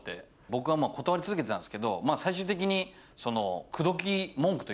僕は断り続けてたんですけどまぁ。